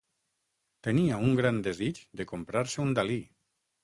Tenia un gran desig de comprar-se un Dalí.